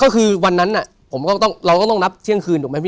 คือวันนั้นเราก็ต้องนับเที่ยงคืน